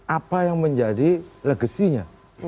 apa yang menjadi legasinya